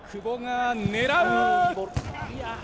久保が狙う！